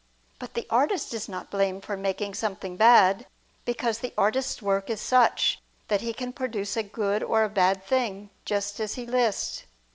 But the artist is not blamed for making something bad: because the artist's work is such, that he can produce a good or a bad thing, just as he lists.